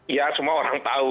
ya semua orang tahu